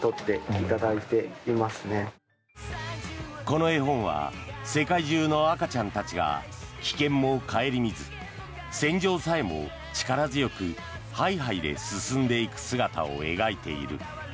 この絵本は世界中の赤ちゃんたちが危険も顧みず、戦場さえも力強くハイハイで進んでいく姿を描いている。